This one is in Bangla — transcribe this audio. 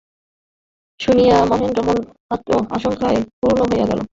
শুনিয়া মহেন্দ্রের মন আশঙ্কায় পূর্ণ হইয়া গেল।